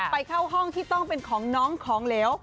ไปเข้าห้องที่ต้องเป็นของน้องของเหลว